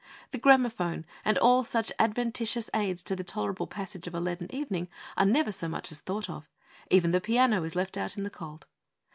The gramophone, and all such adventitious aids to the tolerable passage of a leaden evening, are never so much as thought of. Even the piano is left out in the cold.